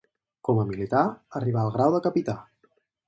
Com a militar arribà al grau de capità.